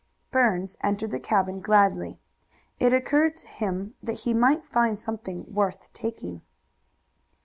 Burns entered the cabin gladly. It occurred to him that he might find something worth taking.